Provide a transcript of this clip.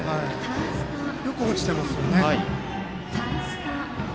よく落ちてますね。